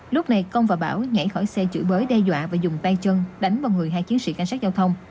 lúc này công và bảo nhảy khỏi xe chửi bới đe dọa và dùng tay chân đánh vào người hai chiến sĩ cảnh sát giao thông